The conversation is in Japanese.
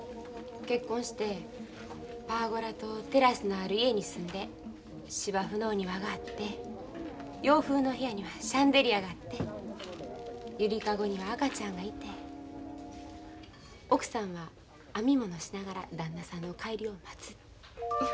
結婚してパーゴラとテラスのある家に住んで芝生のお庭があって洋風の部屋にはシャンデリアがあって揺りかごには赤ちゃんがいて奥さんは編み物しながら旦那さんの帰りを待つ。